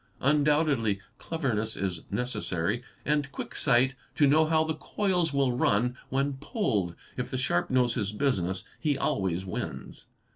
Undoubtedly cleverness is necessary and quick sight to know how the coils will run when pulled; if the sharp knows his business he always wins.